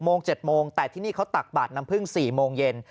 โมง๗โมงแต่ที่นี่เขาตักบาดน้ำพึ่ง๔โมงเย็น